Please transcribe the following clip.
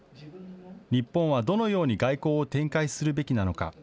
日本はどのように外交を展開するべきなのか。